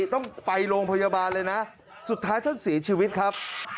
ต้องไปโรงพยาบาลเลยนะสุดท้ายท่านเสียชีวิตครับ